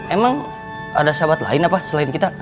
emang ada sahabat lain apa selain kita